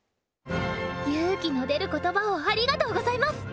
勇気の出る言葉をありがとうございます！